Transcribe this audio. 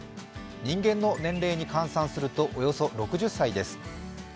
人間の年齢に換算するとおよそ６０歳です。